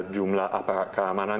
jumlah aparat keamanan